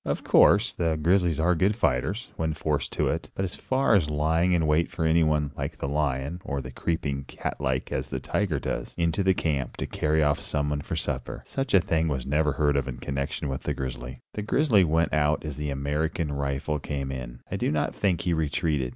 Of course, the grizzlies are good fighters, when forced to it; but as for lying in wait for anyone, like the lion, or creeping, cat like, as the tiger does, into camp to carry off someone for supper, such a thing was never heard of in connection with the grizzly. The grizzly went out as the American rifle came in. I do not think he retreated.